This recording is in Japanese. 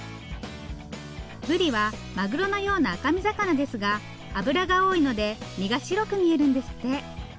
ブリはマグロのような赤身魚ですが脂が多いので身が白く見えるんですって。